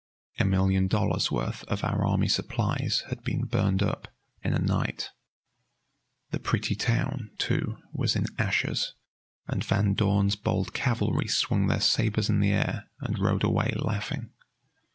A million dollars' worth of our army supplies had been burned up in a night. The pretty town, too, was in ashes, and Van Dorn's bold cavalry swung their sabers in the air and rode away laughing.